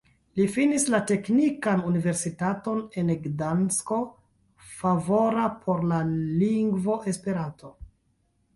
Li finis la Teknikan Universitaton en Gdansko, favora por la lingvo Esperanto.